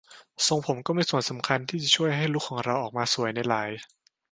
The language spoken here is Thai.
ทรงผมก็มีส่วนสำคัญที่จะช่วยให้ลุคของเราออกมาสวยในหลาย